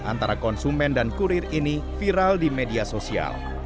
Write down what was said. antara konsumen dan kurir ini viral di media sosial